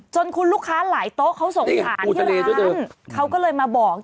จนคุณลูกค้าหลายโต๊ะเขาสงสารที่ร้านเขาก็เลยมาบอก